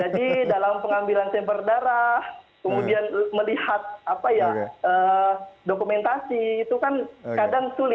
jadi dalam pengambilan taper darah kemudian melihat dokumentasi itu kan kadang sulit